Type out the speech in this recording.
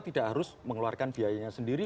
tidak harus mengeluarkan biayanya sendiri